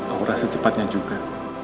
aura secepatnya juga